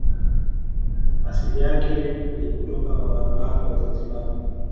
Asili yake ni ni kutoka wanawake wa Zanzibar